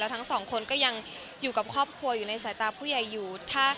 ทั้งสองคนก็ยังอยู่กับครอบครัวอยู่ในสายตาผู้ใหญ่อยู่